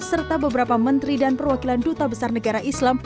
serta beberapa menteri dan perwakilan duta besar negara islam